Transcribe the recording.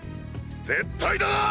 絶対だな！